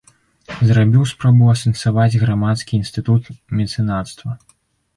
Зрабіў спробу асэнсаваць грамадскі інстытут мецэнацтва.